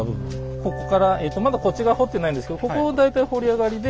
ここからえとまだこっち側掘ってないんですけどここ大体堀り上がりで